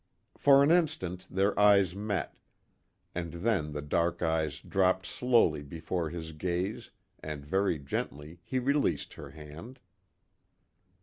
For an instant their eyes met, and then the dark eyes dropped slowly before his gaze, and very gently he released her hand.